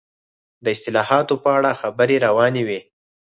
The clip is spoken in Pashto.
د اصلاحاتو په اړه خبرې روانې وې.